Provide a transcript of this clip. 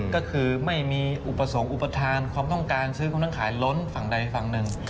ก็คือไม่มีอุปสรรคอุปทานความต้องการซื้อของทั้งขายล้นฝั่งใดฝั่งหนึ่ง